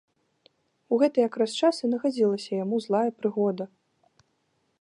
У гэты якраз час і нагадзілася яму злая прыгода.